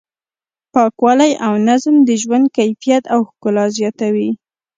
پاکوالی او نظم د ژوند کیفیت او ښکلا زیاتوي.